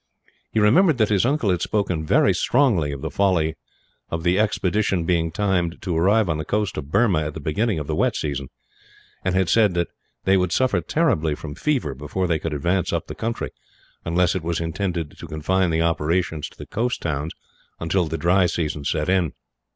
He remembered that his uncle had spoken, very strongly, of the folly of the expedition being timed to arrive on the coast of Burma at the beginning of the wet season; and had said that they would suffer terribly from fever before they could advance up the country, unless it was intended to confine the operations to the coast towns, until the dry season set in.